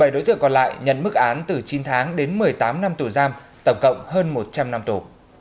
bảy đối tượng còn lại nhận mức án từ chín tháng đến một mươi tám năm tù giam tổng cộng hơn một trăm linh năm tù